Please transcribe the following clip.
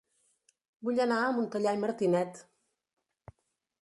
Vull anar a Montellà i Martinet